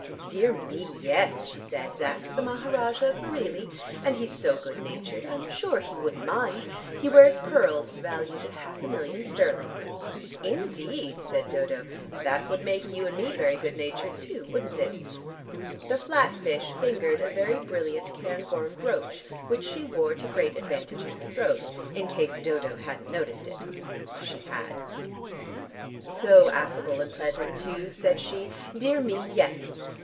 "Dear me, yes," she said. "That's the Maharajah of Bareilly. And he's so good natured, I'm sure he won't mind. He wears pearls valued at half a million sterling." "Indeed!" said Dodo. "That would make you and me very good natured too, wouldn't it?" The flat fish fingered a very brilliant cairngorm brooch, which she wore to great advantage at her throat, in case Dodo hadn't noticed it. (She had). "So affable and pleasant too," said she. "Dear me, yes!"